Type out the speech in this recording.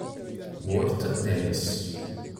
Walt Davis